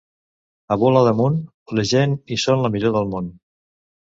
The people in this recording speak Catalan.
A Bula d'Amunt, la gent hi són la millor del món.